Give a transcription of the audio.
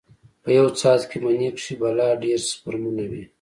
په يو څاڅکي مني کښې بلا ډېر سپرمونه وي.